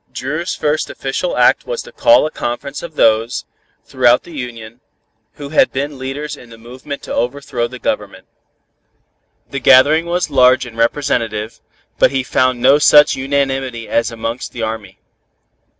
Dru's first official act was to call a conference of those, throughout the Union, who had been leaders in the movement to overthrow the Government. The gathering was large and representative, but he found no such unanimity as amongst the army.